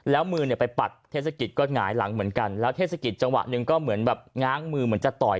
แล้วมือเนี่ยไปปัดเทศกิจก็หงายหลังเหมือนกันแล้วเทศกิจจังหวะหนึ่งก็เหมือนแบบง้างมือเหมือนจะต่อย